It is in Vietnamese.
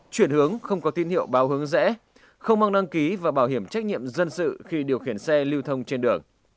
chuyển hướng không có tin hiệu báo hướng rẽ không mang đăng ký và bảo hiểm trách nhiệm dân sự khi điều khiển xe lưu thông trên đường